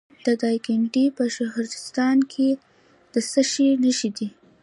د دایکنډي په شهرستان کې د څه شي نښې دي؟